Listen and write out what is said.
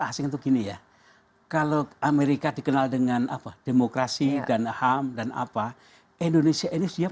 asing itu gini ya kalau amerika dikenal dengan apa demokrasi dan ham dan apa indonesia ini siap